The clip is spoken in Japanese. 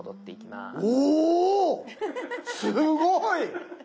すごい！